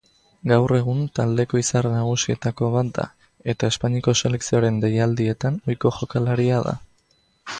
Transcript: Gaur egun taldeko izar nagusietako bat da, eta Espainiako selekzioaren deialdietan ohiko jokalaria da.